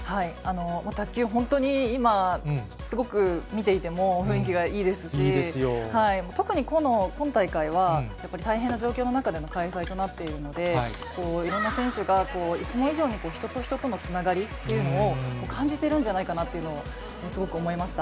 卓球、本当に今、すごく見ていても雰囲気がいいですし、特に今大会は、やっぱり大変な状況の中での開催となっているので、いろんな選手がいつも以上に、人と人とのつながりっていうのを感じてるんじゃないかなっていうのを、すごく思いました。